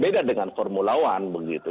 beda dengan formula one begitu